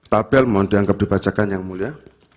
tabel mohon dianggap dibacakan yang mulia